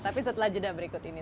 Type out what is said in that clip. tapi setelah jeda berikut ini